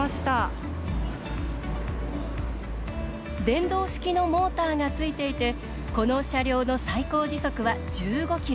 電動式のモーターがついていてこの車両の最高時速は１５ｋｍ。